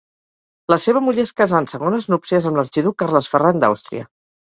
La seva muller es casà en segones núpcies amb l'arxiduc Carles Ferran d'Àustria.